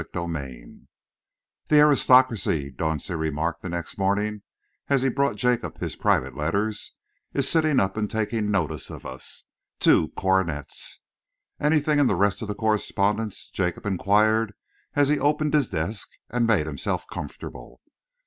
CHAPTER XVII "The aristocracy," Dauncey remarked the next morning, as he brought Jacob his private letters, "is sitting up and taking notice of us. Two coronets!" "Anything in the rest of the correspondence?" Jacob enquired, as he opened his desk and made himself comfortable.